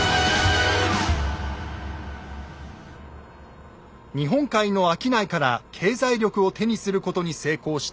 日本海の商いから経済力を手にすることに成功した謙信。